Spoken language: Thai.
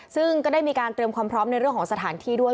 ซึ่งก็ได้มีการเตรียมความพร้อมในเรื่องของสถานที่ด้วย